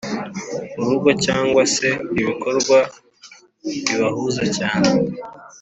urugo cyangwa se ibikorwa bibahuza cyane.